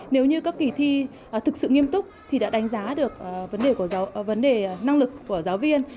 nếu như các kỳ thi thực sự nghiêm túc thì đã đánh giá được vấn đề vấn đề năng lực của giáo viên